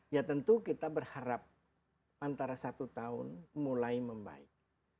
ya tentu kita berharap antara satu tahun mulai membaik